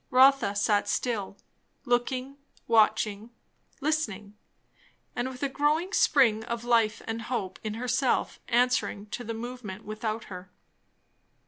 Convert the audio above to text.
Rotha sat still, looking, watching, listening, with a growing spring of life and hope in herself answering to the movement without her.